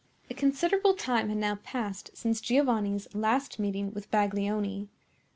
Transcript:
A considerable time had now passed since Giovanni's last meeting with Baglioni.